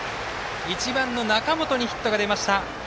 １番の中本にヒットが出ました。